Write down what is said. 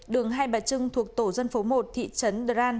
đường hai bà trưng thuộc tổ dân phố một thị trấn đờ ran